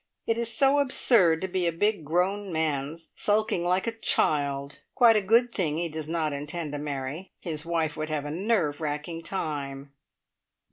It is so absurd to see a big grown man sulking like a child! Quite a good thing he does not intend to marry. His wife would have a nerve racking time.